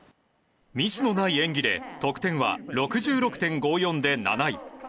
ミスのない演技で得点は６６．５４で７位。